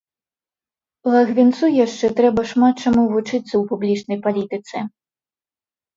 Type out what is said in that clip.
Лагвінцу яшчэ трэба шмат чаму вучыцца ў публічнай палітыцы.